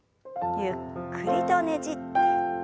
ゆっくりとねじって。